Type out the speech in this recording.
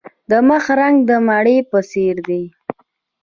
د مخ رنګ د مڼې په څیر دی.